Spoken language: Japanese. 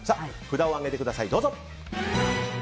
札を上げてください、どうぞ。